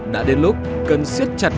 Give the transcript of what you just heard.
đã đến lúc cân siết chặt